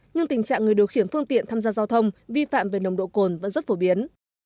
nhưng tình trạng người điều khiển phương tiện tham gia giao thông vi phạm về nồng độ cồn vẫn rất phổ biến